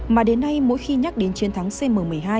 mà đến nay mỗi khi nhắc đến chiến thắng cm một mươi hai